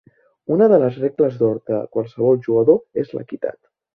Una de les regles d'or de qualsevol jugador és l'equitat.